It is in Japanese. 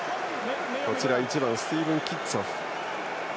１番、スティーブン・キッツォフ。